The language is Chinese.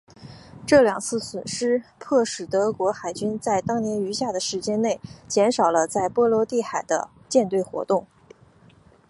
这两次损失迫使德国海军在当年余下的时间内减少了在波罗的海的舰队活动。